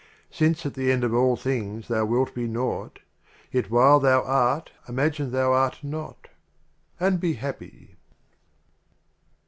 Since at the End of All Things thou wilt be Naught, While yet thou Art, imagine thou Art Not, — and be happy.